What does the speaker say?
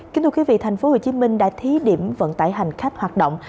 kính thưa quý vị tp hcm đã thí điểm vận tải hành khách hoạt động